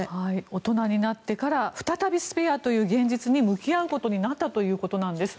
大人になってから再び「スペア」という現実に向き合うことになったということなんです。